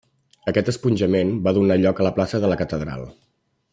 Aquest esponjament va donar lloc a la plaça de la catedral.